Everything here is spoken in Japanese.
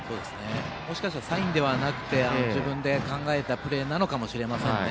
もしかしたらサインではなくて、自分で考えたプレーなのかもしれませんね。